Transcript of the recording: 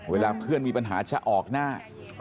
เวลาเพื่อนมีปัญหาจะออกหน้า